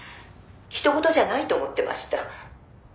「他人事じゃないと思ってました」